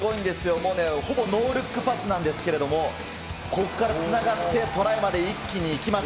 もうね、ほぼノールックパスなんですけれども、ここからつながって、トライまで一気に行きます。